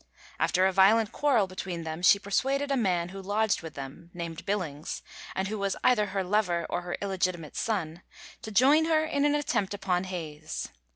After a violent quarrel between them she persuaded a man who lodged with them, named Billings, and who was either her lover or her illegitimate son, to join her in an attempt upon Hayes.